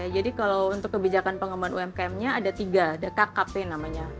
jadi kalau untuk kebijakan pengembangan umkm nya ada tiga ada kkp namanya